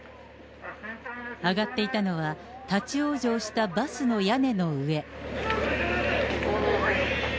上がっていたのは、立往生したバスの屋根の上。